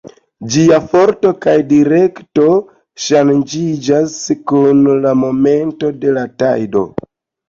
Ĝiaj forto kaj direkto ŝanĝiĝas kun la momento de la tajdo.